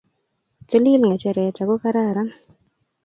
Tilil ngecheret ako kararan